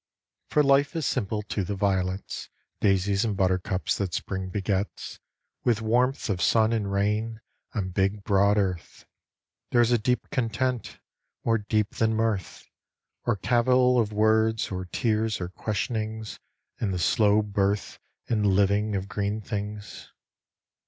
For life is simple to the violets, Daisies and buttercups that Spring begets With warmth of sun and rain on big, broad Earth. There is a deep content, more deep than mirth. Or cavil of words, or tears, or questionings In the slow birth and living of green things.